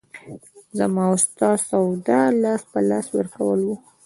زما او ستا سودا لاس په لاس ورکول وو.